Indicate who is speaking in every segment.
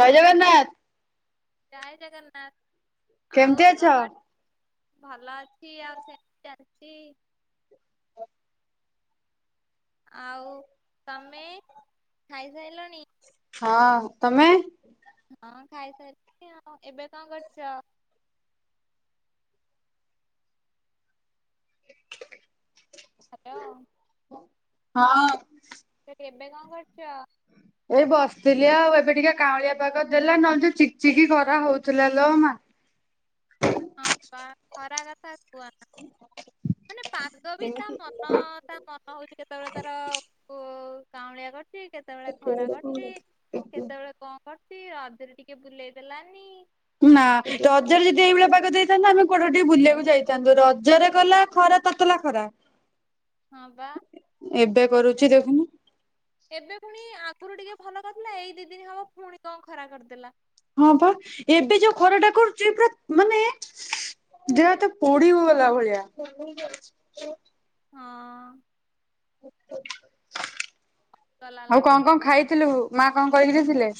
Speaker 1: ଜୟ ଜଗନ୍ନାଥ।
Speaker 2: ଜୟ ଜଗନ୍ନାଥ ଆଉ
Speaker 1: କେମିତି ଅଛ?
Speaker 2: କଣ କର? ଭଲ ଅଛି ଆଉ ସେମିତି ଚାଲିଚି। ଆଉ ତମେ ଖାଇସାଇଲଣି।
Speaker 1: ହଁ ତମେ।
Speaker 2: ହଁ ଖାଇସାଇଲିଣୀ ଆଉ ଏବେ କଣ କରୁଛ? ହ୍ୟାଲୋ।
Speaker 1: ହଁ।
Speaker 2: ତ ଏବେ କଣ କରୁଚ।
Speaker 1: ଏଇ ବସିଥିଲି ଆଉ, ଏବେ ଟିକେ କାଉଁଳିଆ ପାାଗ ଦେଲା ନହଲେ ଯୋଉ ଚିକ ଚିକି ଖରା ହଉଥିଲା ଲୋମା।
Speaker 2: ହଁ ବା ଖରା କଥା କୁହନା ମାନେ ପାଗ ବି ତା ମ ତା ମନ ହଉଛି କେତେବେଳେ ତାର କାଉଁଳିଆ କରୁଛି। କେତେବେଳେ ଖରା କରୁଛି କେତେବେଳେ କଣ କରୁଛି। ରଜରେ ଟିକେ ବୁଲେଇ ଦେଲାନି।
Speaker 1: ନା ରଜରେ ଯଦି ଏଇଭଳିଆ ପାଗ ଦେଇଥାନ୍ତା। ଆମେ କୁଆଡ଼େ ଟିକେ ବୁଲିବାକୁ ଯାଇଥାନ୍ତୁ ରଜରେ କଲା ଖରା। ତତଲା ଖରା।
Speaker 2: ହଁ ବା
Speaker 1: କରୁଛି
Speaker 2: ଏବେ ବା
Speaker 1: ଦେଖୁନୁ
Speaker 2: ଏବେ ପୁଣି ଆଗରୁ ଟିକେ ଭଲ କରିଥିଲା। ଏଇ ଦି ଦିନ ହବ ପୁଣି କଣ ଖରା କରିଦେଲା।
Speaker 1: ହଁ ବା ଏବେ ଯୋଉ ଖରା ଟା କରୁଛି ପୁରା ମାନେ ଦେହ ହାତ ପୋଡି ଗଲା ଭଳିଆ।
Speaker 2: ହଁ। ଗଲା
Speaker 1: ଆଉ କଣ
Speaker 2: ଲାଗୁଛି
Speaker 1: କଣ
Speaker 2: ପୁରା
Speaker 1: ଖାଇଥିଲୁ ମା କଣ କରିକି ଦେଇଥିଲେ?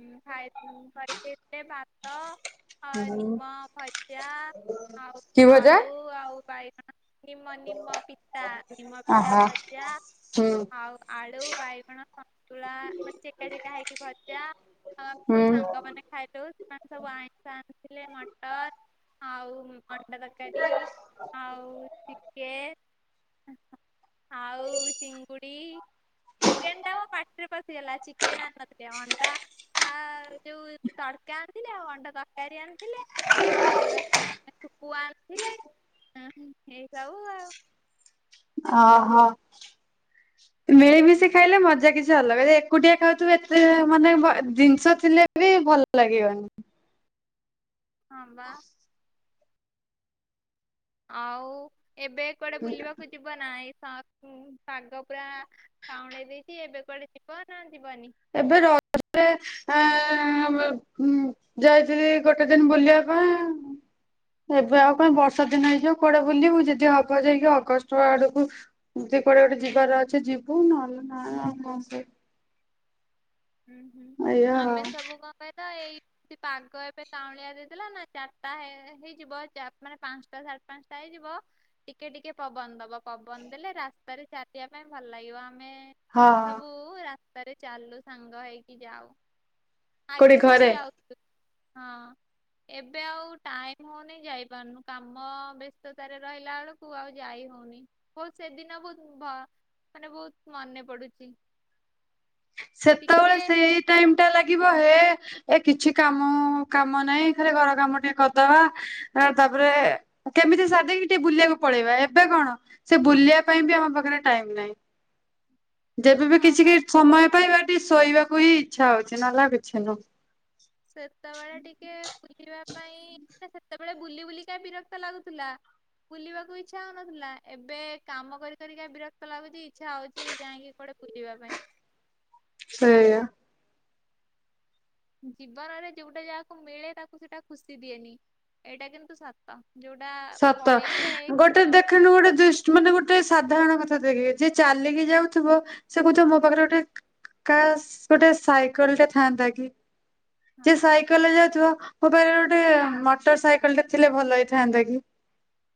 Speaker 2: ହୁଁ ଖାଇ [unintelligible] ଭାତ। ହଁ ନିମ ଭଜା ଆଉ
Speaker 1: କି ଭଜା?
Speaker 2: ଆଳୁ ଆଉ ବାଇଗଣ। ନିମ ନିମ ପିତା ନିମ ପିତା
Speaker 1: ଆହା
Speaker 2: ଭଜା।
Speaker 1: ହୁଁ
Speaker 2: ଆଉ ଆଳୁ ବାଇଗଣ ସନ୍ତୁଳା ମାନେ ଚେକା ଚେକା ହେଇକି ଭଜ ଜା
Speaker 1: ହୁଁ।
Speaker 2: ସବୁ ସାଙ୍ଗ ମାନେ ଖାଇଥିଲୁ। ସବୁ ଆଇଁଷ ଆଣିଥିଲେ ମଟନ୍ ଆଉ ଅଣ୍ଡା ତରକାରୀ ଆଉ ଚିକେନ୍। ଆଉ ଚିଙ୍ଗୁଡି। ଚିକେନ ଟା ପାଟିରେ ପଶିଗଲା ଚିକେନ ଆଣିନଥିଲେ। ତା ଆ ଯୋଉ ତଡକା ଆଣିଥିଲେ ଆଉ ଅଣ୍ଡା ତରକାରୀ ଆଣି ଆଉ ହେଲା [unintelligible] ଥିଲେ ନେଇ ଯାଉ ଆଉ।
Speaker 1: ଓହୋ ମିଳିମିଶି ଖାଇଲେ ମଜା କିଛି ଅଲଗା ଯଦି ଏକୁଟିଆ ଖାଉଥିବୁ ଏତେ ମାନେ ବ ଜିନିଷ ଥିଲେ ବି ଭଲ ଲାଗିବନି।
Speaker 2: ହଁ ବା। ଆଉ ଏବେ କୁଆଡେ ବୁଲିବାକୁ ଯିବୁ କୁହନା ଏ ପାଗ ପୁରା କାଉଁଳେଇ ଦେଇଛି ଏବେ କୁଆଡେ ଯିବ ନା ଯିବନି।
Speaker 1: ଏବେ ରଜରେ ଆଁ ଉଁ। ଯାଇଥିଲି ଗୋଟେ ଦିନ ବୁଲିବା ପାଇଁ। ଏବେ ଆଉ କଣ ବର୍ଷା ଦିନ ହେଇଯିବ କୁଆଡେ ବୁଲିବୁ। ଯଦି ହବ ଯାଇକି ଅଗଷ୍ଟ ଆଡକୁ ଯଦି କୁଆଡେ ଗୋଟେ ଯିବାର ଅଛି ଯିବୁ ନହଲେ ନାଇଁ କ
Speaker 2: ହୁଁ ହୁଁ
Speaker 1: ଏଇଆ ଆଉ
Speaker 2: ଆମେ ସବୁ କଣ କହିଲ ଏଇ ସେ ପାଗ ଏବେ କାଉଁଳିଆ ଦେଇଦେଲା। ନା ଚାରିଟା ହେଇଯିବ ଯା ମାନେ ପାଞ୍ଚଟା ସାଢେ ପାଞ୍ଚଟା ହେଇଯିବ। ଟିକେ ଟିକେ ପବନ ଦବ ପବନ ଦେଲେ ରାସ୍ତାରେ ଚାଲିବା ପାଇଁ ଭଲ ଲାଗିବ। ଆମେ
Speaker 1: ହଁ
Speaker 2: ସବୁ ରାସ୍ତାରେ ଚାଲୁ ସାଙ୍ଗ ହେଇକି ଯାଉ।
Speaker 1: କୋଉଠି
Speaker 2: ଆଗେ ସବୁ
Speaker 1: ଘରେ?
Speaker 2: ଯାଉଛୁ ହଁ। ଏବେ ଆଉ ଟାଇମ ହଉନି ଯାଇପାରୁନୁ କାମ ବ୍ୟସ୍ତତାରେ ରହିଲା ବେଳକୁ କୁ ଆଉ ଯାଇ ହଉନି ବହୁ ସେଦିନ ବହୁତ ମାନେ ବହୁତ ମନେ ପଡୁଛି।
Speaker 1: ସେତେବେଳେ
Speaker 2: ଟିକେ
Speaker 1: ସେଇ ଟାଇମ ଟା ଲାଗିବ ହେ ଏ କିଛି କାମ କାମ ନାହିଁ ଖାଲି ଘର କାମ ଟିକେ କରିଦବା। ଆ ତାପରେ କେମିତି ସରିଦେଇକି ଟିକେ ବୁଲିବାକୁ ପଳେଇବା ଏବେ କଣ? ସେ ବୁଲିବା ପାଇଁ ବି ଆମ ପାଖରେ ଟାଇମ ନାହିଁ। ଯେବେ ବି
Speaker 2: ହଁ
Speaker 1: କିଛି
Speaker 2: ବା
Speaker 1: କି ସମୟ ପାଇବା ଟିକେ ଶୋଇବାକୁ ହିଁ ଇଚ୍ଛା ହଉଛି ନହେଲେ ଆଉ କିଛି ନୁହଁ।
Speaker 2: ସେତେବେଳେ ଟିକେ ବୁଲିବା ପାଇଁ ସେତେବେଳେ ବୁଲି ବୁଲି କା ବିରକ୍ତ ଲାଗୁଥିଲା। ବୁଲିବାକୁ ଇଚ୍ଛା ହଉନଥିଲା ଏବେ କାମ କରି କରିକି ବିରକ୍ତ ଲାଗୁଛି ଇଛା ହଉଛି ଯାଇକି କୁଆଡେ ବା ପାଇଁ
Speaker 1: ହୁଁ।
Speaker 2: ଜୀବନରେ ଯୋଉଟା ଯାହାକୁ ମିଳେ ତାକୁ ସେଇଟା ଖୁସି ଦିଏନି ଏଇଟା କିନ୍ତୁ ସ ତ ଯୋଉଟା
Speaker 1: ସତ
Speaker 2: ପଳେଇଯାଏ
Speaker 1: ଗୋଟେ
Speaker 2: ହଁ
Speaker 1: ଦେଖୁନୁ ଗୋଟେ ଦ ମାନେ ଗୋଟେ ସାଧାରଣ କଥା ଦେଖେ ଯିଏ ଚାଲିକି ଯାଉଥିବ ସେ କହୁଥିବ ମୋ ପାଖରେ ଗୋଟେ କାସ୍ ଗୋଟେ ସାଇକେଲ ଟେ ଥାଆନ୍ତା କି? ଯିଏ ସାଇକେଲରେ ଯାଉଥିବ, ମୋ ପାଖରେ ଗୋଟେ ମୋଟର ସାଇକେଲ ଟେ ଥିଲେ ଭଲ ହେଇଥାନ୍ତା କି।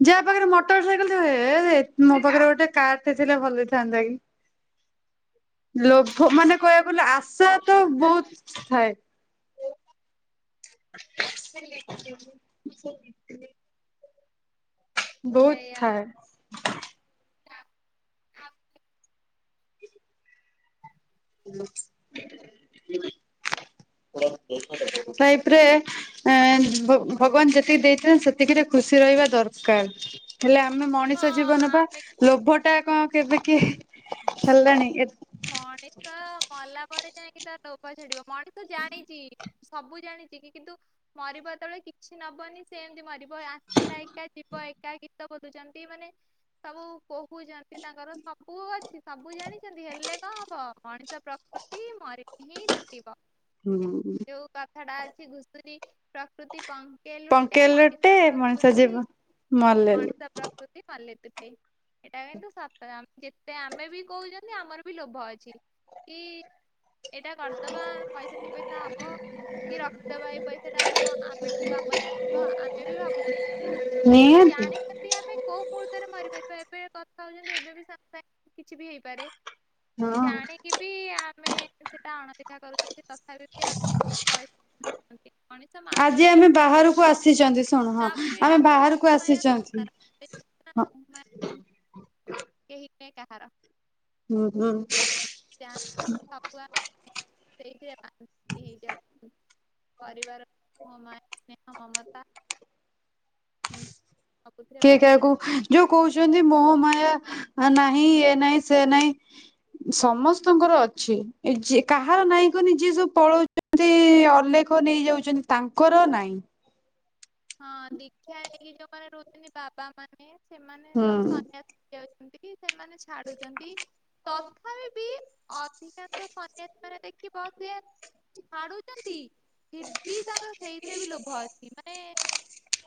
Speaker 1: ଯାହା ପାଖରେ ମୋଟର ସାଇକେଲ ଟେ ଥିବ ହେ, ମୋ ପାଖରେ ଗୋଟେ କାରଟେ ଥିଲେ ଭଲ ହେଇଥାନ୍ତା କି।
Speaker 2: [inaudible]
Speaker 1: ଲୋଭ ମାନେ କହିବାକୁ ଗଲେ ଆଶା ତ ବହୁତ ଥାଏ। [unintelligible] ବହୁତ
Speaker 2: ସେଇଆ
Speaker 1: ଥାଏ।
Speaker 2: [unintelligible]
Speaker 1: ଲଇଫରେ ଆଁ ଭଗବାନ ଯେତିକି ଦେଇଥିଲେ ସେତିକିରେ ଖୁସି ରହିବା ଦରକାର ହେଲେ ଆମେ
Speaker 2: ହଁ
Speaker 1: ମଣିଷ ଜୀବନ ବା
Speaker 2: ଆମେ
Speaker 1: ଲୋଭ ଟା କଣ କେବେ କିି ହେଲାଣି
Speaker 2: ମଣିଷ ମଲା ପରେ ଯାଇକି ତାର ଲୋଭ ଛାଡିବ ମଣିଷ ତ ଜାଣିଛି। ସବୁ ଜାଣିଛି କିନ୍ତୁ ମରିବ ଯେତେବେଳେ କିଛି ନବନି ସେ ଏମିତି ମରିବ। ଆସିଥିଲା ଏକା ଯିବ ଏକା ଗୀତ ବୋଲୁଛନ୍ତି ମାନେ ସବୁ କହୁଛନ୍ତି ତାଙ୍କର ସବୁ ଅଛି ସବୁ ଜାଣିଛନ୍ତି ହେଲେ ବ ମଣିସ ପ୍ରକୃତି ମରିଲେ ହିଁ ତୁଟି ବ।
Speaker 1: ହୁଁ।
Speaker 2: ଯୋଉ କଥା ଟା ଅଛି ଘୁଷୁରୀ ପ୍ରକୃତି ପଙ୍କେ ଲୁଟେ
Speaker 1: ପଙ୍କେଲଟେ
Speaker 2: ମଣିଷ
Speaker 1: ମଣିଷ
Speaker 2: ପ୍ରକୃତି
Speaker 1: ଜୀବ ମଲେଲି
Speaker 2: ମଣିସ ପ୍ରକୃତି ମଲେ ତୁଟେ। ଏଇଟା କିନ୍ତୁ ସତ ଯେତେ ଆମେ ବି କହୁଛନ୍ତି ଆମର ବି ଲୋଭ ଅଛି। କି ଏଇଟା କରିଦବା ପଇସା ଦି ପଇସା ହବ। କି ରକ୍ତ ବାହି ପଇସା ଟା ଆମ ଆଗକୁ କାମରେ ଆସିବ ଆମେ ବି ଭାବୁଛୁ।
Speaker 1: [unintelligible]
Speaker 2: ଆମେ ଜାଣିଛନ୍ତି ଆମେ କୋଉ ମୁହୂର୍ତ୍ତରେ ମରିପାରିବା ଏବେ କଥା ହଉଛନ୍ତି ଏବେ ବି ସାଙ୍ଗ କିଛି ବି ହେଇପାରେ।
Speaker 1: ହଁ।
Speaker 2: ଜାଣିକି ବି ଆମେ ସେଟା ଅଣଦେଖା କରୁଛନ୍ତି ତଥାପି ବି ଆମେ କହି
Speaker 1: ଆଜି ଆମେ ବାହାରକୁ
Speaker 2: ଲୋଭ
Speaker 1: ଆସିଛନ୍ତି ଶୁଣୁ ହଁ
Speaker 2: ତାପରେ ବି ଏଇଟା
Speaker 1: ଆମେ
Speaker 2: ଆମର
Speaker 1: ବାହାରକୁ
Speaker 2: ମୋହମାୟା
Speaker 1: ଆସିଛନ୍ତି।
Speaker 2: ସଂସାର,
Speaker 1: ହଁ
Speaker 2: କେହି ନୁହେଁ କାହାର।
Speaker 1: ହୁଁ, ହୁଁ।
Speaker 2: [unintelligible] ସେଇଥିରେ ବାନ୍ତି ହେଇଯାଉ। ପରିବାର ସ୍ନେହଁ ମମତା [unintelligible]
Speaker 1: କିଏ
Speaker 2: ବାନ୍ଧି ଯାଉ
Speaker 1: କାହାକୁ ଯୋଉ କହୁଛନ୍ତି ମୋହମାୟା ନାହିଁ ଏ ନାହିଁ ସେ ନାହିଁ। ସମସ୍ତଙ୍କର ଅଛି ଯ କାହାର ନାଇଁ କନି ଯିଏ ସବୁ ପଳଉଛି। ଯେମିତି ଅଲେଖ ନେଇଯାଉଚ଼ନ୍ତି ତାଙ୍କର ନାଇଁ
Speaker 2: ହଁ ଦୀକ୍ଷା ହେକି ଯୋଉମାନେ ରହୁଛନ୍ତି ବାବା ମାନେ ସେମାନେ
Speaker 1: ହୁଁ।
Speaker 2: ସବୁ ସ ଯାଉଚ଼ନ୍ତି କି ସେମାନେ ଛାଡୁଚ଼ନ୍ତି ତଥାପି ବି ଅଧିକାଂଶ ସନ୍ୟାସି ମାନେ ଦେଖିବ ଛାଡୁଚ଼ନ୍ତି ଫିର୍ ବି ତାଙ୍କର ସେଇଥିରେ ବି ଲୋଭ ଅଛି ମାନେ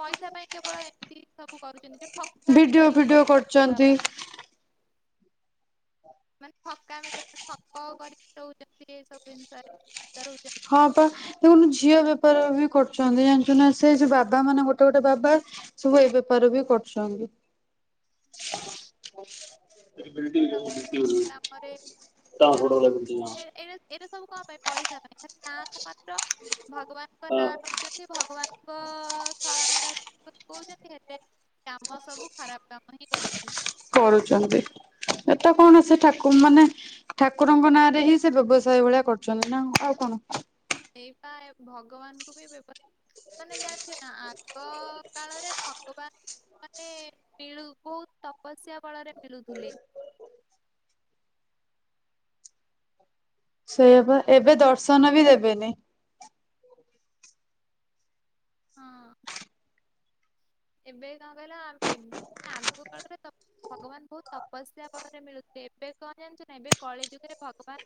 Speaker 2: ପଇସା ପାଇଁ କେବଳ ଏମିତି ସବୁ କରୁଚ଼ନ୍ତି ଯୋଉ ଠକାମି
Speaker 1: ଭିଡିଓ
Speaker 2: କରିକି
Speaker 1: ଫିଡିଓ
Speaker 2: ଯୋଉ
Speaker 1: କରୁଛନ୍ତି
Speaker 2: ବାବା [unintelligible] ଠକ କରିକି ରହୁଚ଼ନ୍ତି ଏ ସବୁ ବିଷୟରେ ରହୁଚନ୍ତି
Speaker 1: ହଁ ପା ଦେଖୁନୁ ଝିଅ ବେପାର ବି କରୁଚ଼ନ୍ତି ଜାଣିଚୁ ନା ସେ ଯ ବାବା ମାନେ ଗୋଟେ ଗୋଟେ ବାବା ସବୁ ଏଇ ବେପାର ବି କରୁଚନ୍ତ
Speaker 2: ସବୁ କାମରେ
Speaker 1: [unintelligible]
Speaker 2: ଏଇଟ ସବୁ କଣ ପାଇଁ ପଇସା ପାଇଁ ଖାଲି ନାଁକୁ ମାତ୍ର ଭଗବାନଙ୍କ ନାଁ
Speaker 1: ହଁ।
Speaker 2: ନଉଛନ୍ତି ଭଗବାନ ଶରଣ କହୁଛନ୍ତି ହେତ କାମ ସବୁ ଖରାପ କାମ ହିଁ କରୁଛନ୍ତି
Speaker 1: କରୁଛନ୍ତି ଏଟା କଣ ସେ
Speaker 2: ତ
Speaker 1: ଠାକୁର ମାନେ ଠାକୁରଙ୍କ ନାଁରେ ହିଁ ସେ ବ୍ୟବସାୟ ଭଳିଆ କରୁଛନ୍ତି ନା ଆଉ କଣ
Speaker 2: ଏଇପା ଭଗବାନଙ୍କୁ ବି ବ୍ୟବ ମାନେ ଜାଣିଚ ନା ଆଗ କାଳରେ ଭଗବାନ ମାନେ ମିଳୁ ବହୁତ ତପସ୍ୟା ବଳରେ ମିଳୁଥିଲେ
Speaker 1: ସେଇଆପା ଏବେ ଦର୍ଶନ ବି ଦେବେନି
Speaker 2: ହଁ। ଏବେ କଣ କହିଲ ଏ ଆଗ କାଳରେ ଭଗବାନ ବହୁତ ତପସ୍ୟା ବଳରେ ମିଳୁଥିଲେ ଏବେ କଣ ଜାଣିଚ ନା ଏବେ କଳି ଯୁଗରେ ଭଗବାନ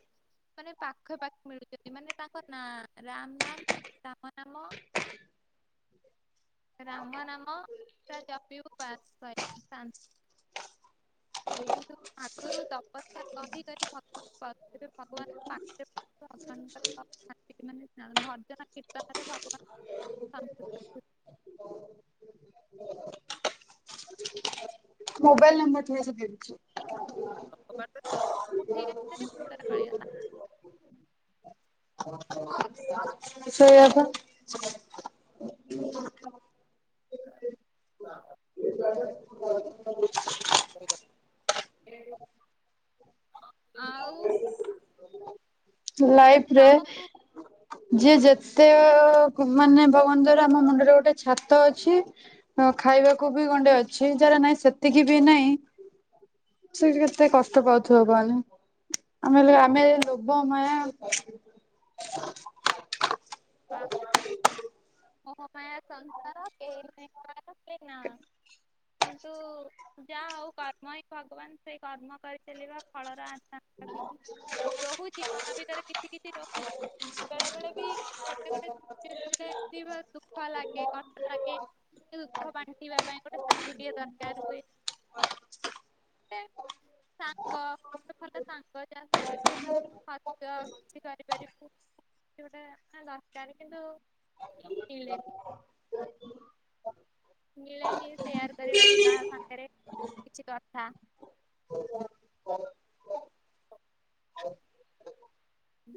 Speaker 2: ମାନେ ପାଖା ପାଖି ମିଳୁଛନ୍ତି ମାନେ ତାଙ୍କ ନାଁ ରାମ ନାମ ରାମ ନାମ ରାମନାମ ପୁରା ଜପିବୁ [inaudible] ପି ବାସ ଶ କିନ୍ତୁ ଆଗରୁ ତପସ୍ୟା କରି କରି [inaudible] [unintelligible] ଭଗବାନଙ୍କ ପାଖରେ ଭଗବାନଙ୍କ ମାନେ ଭଜନ କୀର୍ତ୍ତନରେ ଭଗବାନ ସନ୍ତୁ
Speaker 1: ମୋବାଇଲ ନମ୍ବର ଥିଲା ସେଠି ଦେଇ ଦେଇଛି
Speaker 2: ଠଗଲା [unintelligible]
Speaker 1: ସେଇଆ ପା
Speaker 2: ହ [unintelligible]
Speaker 1: ଏ [unintelligible]
Speaker 2: ଆଉ
Speaker 1: ମୋ ଲାଇଫରେ
Speaker 2: ତମକୁ
Speaker 1: ଯିଏ ଯେତେ ମାନେ ଭଗବାନ ଦୟାରୁ ଆମ ମୁଣ୍ଡରେ ଗୋଟେ ଛାତ ଅଛି ହଁ ଖାଇବାକୁ ବି ଗଣ୍ଡେ ଅଛି ଯାର ନାଇଁ ସେତିକି ବି ନାଇଁ ସେ କେତେ କଷ୍ଟ ପାଉଥିବ କହନି ଆମେ ହେଲେ ଆମେ ଲୋଭ ସମମା [unintelligible]
Speaker 2: ବା ବ ମୋହ [unintelligible] ମାୟା ସଂସାର କେହି ନାହିଁ କାହାର ଏ ନା। କିନ୍ତୁ ଯାହା ହଉ କର୍ମ ହି ଭଗବାନ ସେଇ କର୍ମ କରିଚାଲିବା ଫଳର ଆଶା କରିବାନି ରହୁଚି ମନ ଭିତରେ କିଛି କିଛି ରଖୁଛି ବେଳେ ବେଳେ ବି
Speaker 1: ହ [unintelligible]
Speaker 2: କେତେ ବେଳେ ଏମିତି ଦୁଃଖ ଲାଗେ କଷ୍ଟ ଲାଗେ ସେ ଦୁଃଖ ବାଣ୍ଟିବା ପାଇଁ ଗୋଟେ ସାଥିୀଟିଏ ଦରକାର ହୁଏ ସାଙ୍ଗ ତୁମ ସଙ୍ଗ ଜାସହିତ ଟିକେ [unintelligible] ହଛ ସେ ବାରି ଭାରି ପ [unintelligible] ଏଠି ଗୋଟେ ଦରକାର କିନ୍ତୁ ମିଳେନି ମିଳେନି ସେୟାର କରିବାକୁ କାହା ସାଙ୍ଗରେ କିଛି କଥା ହୁଁ।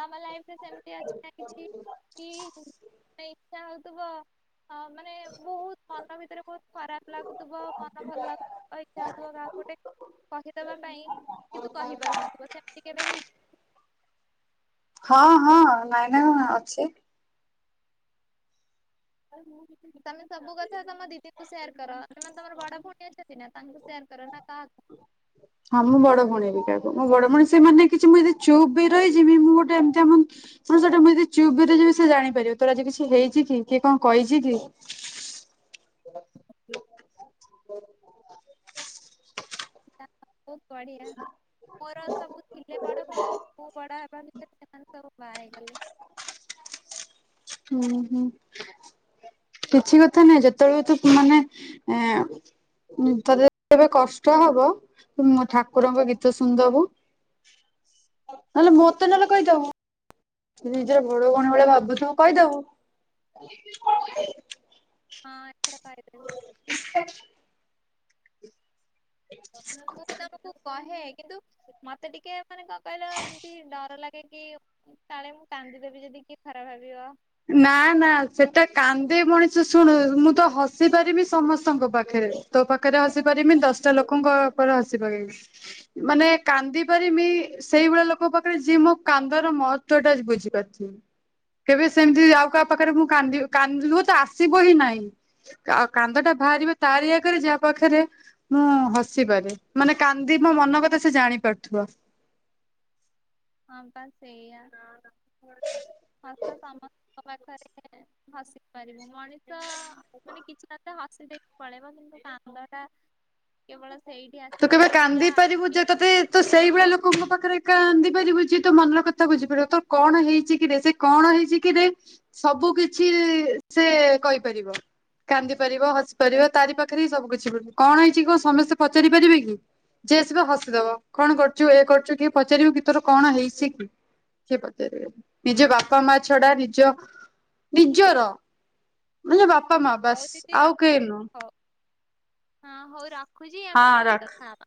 Speaker 2: ତମ ଲାଇଫରେ ସେମିତି ଅଛି ନା କିଛି କି ଇଛା ହଉଥିବ ହ ମାନେ ବହୁତ ମନ ଭିତରେ ବହୁତ ଖରାପ ଲାଗୁଥିବ ମନ ଭଲ ଲାଗୁ ଅ ଇଛା ହଉଥିବ କାହାକୁ ଗୋଟେ କହିଦବା ପାଇଁ କିନ୍ତୁ କହିପାରୁନଥିବ ସେମିତି କେବେ ହେଇଚି।
Speaker 1: ହଁ ହଁ ନାଇଁ ନାଁଇ ଅଛି।
Speaker 2: ତମେ ସବୁ କଥା ତମ ଦିଦି କୁ ସେୟାର କର କାଇଁ ନା ତମର ବଡ ଭଉଣୀ ଅଛନ୍ତି। ନା ତାଙ୍କୁ ସେୟାର କର ନା କାହାକୁ?
Speaker 1: ହଁ ମୁଁ ବଡ ଭଉଣୀ ବି କାହାକୁ ମୁଁ ବଡ ଭଉଣୀ ସେମାନେ କିଛି ମୁଁ ଚୁପ୍ ବି ରହିଜିବି ମୁଁ ଗୋଟେ ଏମିତିଆ ମ ହଁ ସେଟା ମୁଁ ଜଦି ଚୁପବି ରହି ଯିବି ସେ ଜାଣିପାରିବ ତୋର ଆଜି କିଛି ହେଇଛି କିଏ କଣ କଇଛି କି?
Speaker 2: [unintelligible]
Speaker 1: [inaudible]
Speaker 2: ଜା ହଉ ବହୁତ୍ ବଢିଆ। ମୋର ସବୁ ଥିଲେ ବଡ ଭଉଣୀ କିନ୍ତୁ ମୁଁ ବଡ ହବା ଭିତରେ ସେମାନେ ସବୁ ବାହା ହେଇଗଲେ।
Speaker 1: ହୁଁ ହୁଁ। କିଛି କଥା ନାଇଁ ଯେତେବେଳେ ତୁ ମାନେ ଏ ଉଁ ତତେ ଯେତେବେଳେ କଷ୍ଟ ହବ ତୁ ମ ଠାକୁରଙ୍କ ଗୀତ ଶୁଣିଦବୁ। ନହେଲେ ମତେ ନହେଲେ କହିଦବୁ। ନିଜର
Speaker 2: ହଁ
Speaker 1: ଭଡ଼ ଭଉଣୀ ଭଳିଆ ଭାବୁଥିବୁ କହିଦବୁ।
Speaker 2: ହଁ ଏଥର କରିଦେବି।
Speaker 1: [inaudible]
Speaker 2: ମୁଁ ବି ତମକୁ କହେ କିନ୍ତୁ ମତେ ଟିକେ ମାନେ କ କହିଲ ଏମିତି ଡର ଲାଗେ କି କାଳେ ମୁଁ କାନ୍ଦିଦେବି ଯଦି କିଏ ଖରାପ ଭାବିବ।
Speaker 1: ନା ନା ସେଟା କାନ୍ଦି ମଣିଷ ଶୁଣୁ ମୁଁ ତ ହସି ପାରିବି ସମସ୍ତଙ୍କ ପାଖରେ। ତୋ ପାଖରେ ହସି ପାରମି ଦଶଟା ଲୋକଙ୍କ ଉପରେ ହସି ପାରିବି। ମାନେ କାନ୍ଦି ପାରମି ସେଇଭଳିଆ ଲୋକଙ୍କ ପାଖରେ ଯିଏ ମୋ କାନ୍ଦର ମହତ୍ଵ ଟା ବୁଝିପାରୁଥିବ। ସେମିତି
Speaker 2: ହଁ
Speaker 1: ଆଉ କାହା ପାଖରେ ମୁଁ କାନ୍ଦିବି କାନ୍ଦି ଲୁଅ ତ ଆସିବ ହିଁ ନାହିଁ। ଆ କାନ୍ଦ ଟା ବାହାରିବ ତାରି ଆଗରେ ଯାହା ପାଖରେ ମୁଁ ହସିପାରେ ମାନେ କାନ୍ଦି ମୋ ମନ କଥା ସେ ଜାଣିପାରୁଥିବ।
Speaker 2: ହଁ ବା ସେଇଆ ହସ ସମସ୍ତଙ୍କ ପାଖରେ ହସି ପାରିବ ମଣିଷ ମାନେ କିଛି ନ ତ ହସି ଦେଇକି ପଳେଇବ କିନ୍ତୁ କାନ୍ଦ ଟା କେବଳ ସେଇଠି ଆସିବ ଯୋଉଠି ଯା
Speaker 1: ପୁଜେ ତତେ ତ ସେଇଭଳିଆ ଲୋକଙ୍କ ପାଖରେ କାନ୍ଦି ପାରିବୁ ଯିଏ ତୋ ମନର କଥା ବୁଝିପାରିବ ତୋର କଣ ହେଇଛି କିରେ ସେ କଣ ହେଇଛି କିରେ? ସବୁ କିଛି ସେ କହିପାରିବ। କାନ୍ଦି ପାରିବ ହସି ପାରିବ ତାରି ପାଖରେ ହିଁ ସବୁ କିଛି ମି କଣ ହେଇଛି କ ସମସ୍ତେ ପ ପଚାରି ପାରିବେ କି ଯେ ଆସିବ ହସିଦବ କଣ କରୁଛୁ ଏ କରୁଛୁ କିଏ ପଚାରିବ କି ତୋର କଣ ହେଇଚି କି କିଏ ପଚାରିବେ? ନିଜ ବାପା ମା ଛଡା ନିଜ ନିଜର ମାନେ ବାପା ମା
Speaker 2: ହଉ
Speaker 1: ବାସ
Speaker 2: ଦିଦି
Speaker 1: ଆଉ କେଇ
Speaker 2: ରଖୁଛି
Speaker 1: ନୁଅ।
Speaker 2: ହଉ ହଁ ହଉ ରଖୁଛି ଆମେ
Speaker 1: ହଁ
Speaker 2: ପରେ
Speaker 1: ରଖ।
Speaker 2: କଥା ହବା।